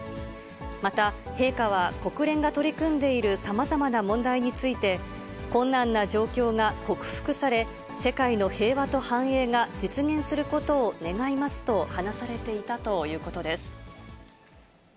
また、陛下は国連が取り組んでいるさまざまな問題について、困難な状況が克服され、世界の平和と繁栄が実現することを願いますと話されていたということです。